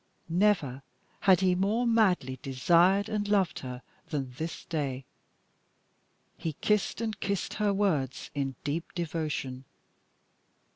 Never had he more madly desired and loved her than this day. He kissed and kissed her words in deep devotion.